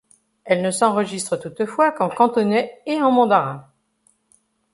Elle ne s'enregistre toutefois qu'en cantonais et en mandarin.